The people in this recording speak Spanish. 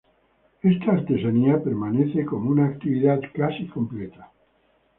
Esta artesanía permanece como una actividad casi completa.